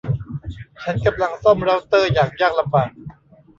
ฉันกำลังซ่อมเร้าเตอร์อย่างยากลำบาก